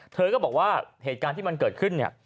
เธอก็บอกว่าเหตุการณ์ที่มันเกิดขึ้นเนี่ย